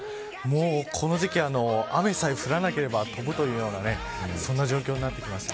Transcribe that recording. この時期、雨さえ降らなければ飛ぶというようなそんな状況になってきました。